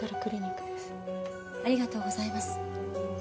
ありがとうございます。